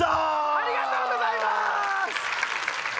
ありがとうございます。